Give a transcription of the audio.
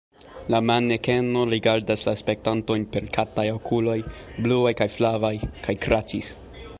La manekeno rigardis la spektantojn per kataj okuloj, bluaj kaj flavaj, kaj kraĉis.